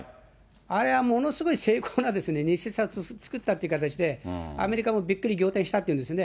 あれはものすごい精巧な偽札を造ったっていう形で、アメリカもびっくり仰天したっていうんですね。